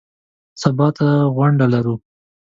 سبا ته غونډه لرو .